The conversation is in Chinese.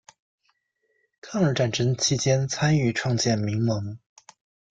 抗日战争期间参与创建民盟。